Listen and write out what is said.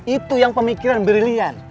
itu yang pemikiran brilian